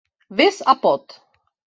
Viz apod.